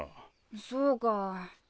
そうか。